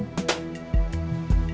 itu dupin dia